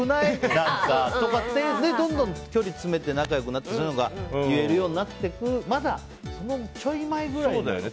なんかとかってどんどん距離詰めて仲良くなったりしてそういうのが言えるようになっていくまだそのちょい前ぐらいですかね。